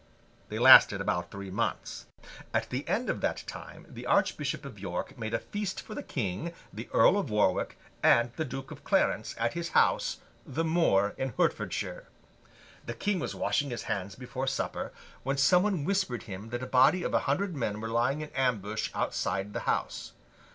They lasted about three months. At the end of that time, the Archbishop of York made a feast for the King, the Earl of Warwick, and the Duke of Clarence, at his house, the Moor, in Hertfordshire. The King was washing his hands before supper, when some one whispered him that a body of a hundred men were lying in ambush outside the house.